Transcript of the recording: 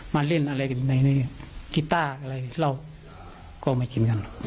มาเล่นอะไรในนี้กิตาร์อะไรเราก็เอามากินกัน